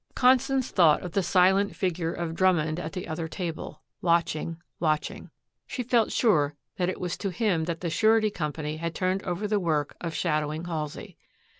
Constance thought of the silent figure of Drummond at the other table watching, watching. She felt sure that it was to him that the Surety Company had turned over the work of shadowing Halsey.